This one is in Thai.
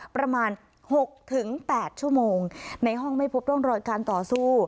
ประมาณหกถึงแปดชั่วโมงในห้องไม่พบต้นรอยการต่อสู้